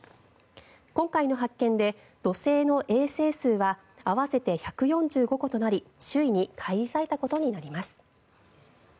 今回の発見で土星の衛星数は合わせて１４５戸となり首位に返り咲いたことになります。